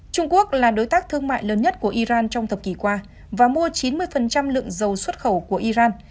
trung quốc là đối tác thương mại lớn nhất của iran trong thập kỷ qua và mua chín mươi lượng dầu xuất khẩu của iran